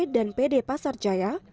dan pd pasar jaya